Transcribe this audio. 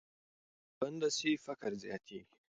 که ښوونه بنده سي، فقر زیاتېږي.